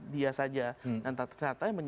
dia saja dan ternyata